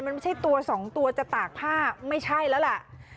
มันไม่ใช่ตัวสองตัวจะตากผ้าไม่ใช่แล้วล่ะ